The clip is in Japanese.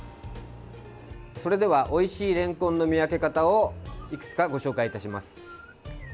それではおいしいれんこんの見分け方をいくつかご紹介いたします。